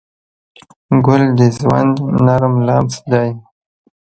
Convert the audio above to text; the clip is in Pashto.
ګل د ژوند نرم لمس دی.